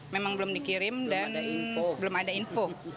memang belum dikirim dan belum ada info